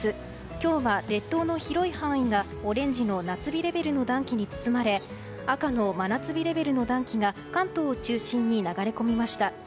今日は列島の広い範囲がオレンジの夏日レベルの暖気に包まれ赤の真夏日レベルの暖気が関東を中心に流れ込みました。